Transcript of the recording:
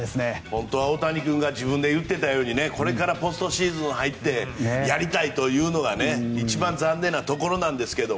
本当は大谷君が自分で言っていたようにこれからポストシーズン入ってやりたいというのが一番残念なところなんですが。